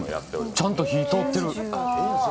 ちゃんと火が通ってる。